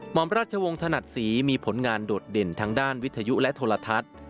อมราชวงศ์ถนัดศรีมีผลงานโดดเด่นทางด้านวิทยุและโทรทัศน์